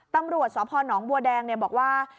ตำรวจสพนบัวแดงบอกว่า